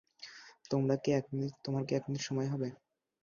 তোমার কি এক মিনিট সময় হবে?